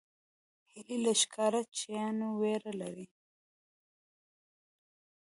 هیلۍ له ښکار چیانو ویره لري